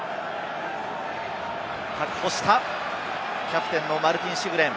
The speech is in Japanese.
確保した、キャプテンのマルティン・シグレン。